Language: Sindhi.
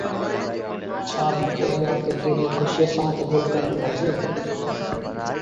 ڇا مون کي اها تبديلي خوشيءَ سان قبول ڪرڻ گهرجي؟